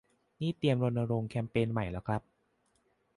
นี่เตรียมรณรงค์แคมเปญใหม่แล้วครับ